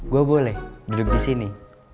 gue boleh duduk di sini